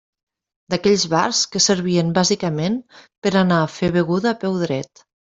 D'aquells bars que servien bàsicament per a anar a fer beguda a peu dret.